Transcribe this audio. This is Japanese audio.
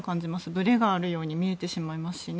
ぶれがあるように見えてしまいますしね。